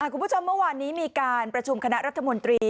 คุณผู้ชมเมื่อวานนี้มีการประชุมคณะรัฐมนตรี